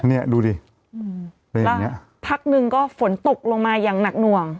เนี่ยดูดิแหละพักนึงก็ฝนตกลงมายังหนักหน่วง